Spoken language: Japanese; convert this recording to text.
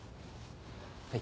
はい。